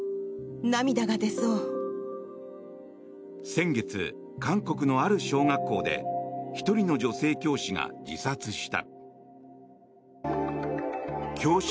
先月、韓国のある小学校で１人の女性教師が自殺した。